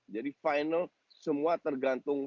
jadi final semua tergantung